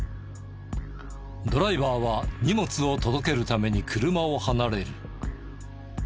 ドライバーは荷物を届けるために車を離れる。